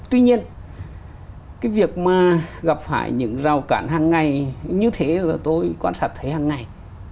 tuy nhiên cái việc mà gặp phải những rào cản hàng ngày như thế là tôi quan sát thấy hàng ngày